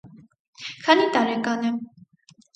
Քանի՞ տարեկան է: